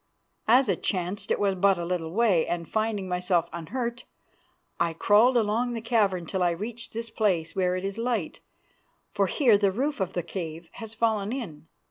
As it chanced it was but a little way, and, finding myself unhurt, I crawled along the cavern till I reached this place where there is light, for here the roof of the cave has fallen in.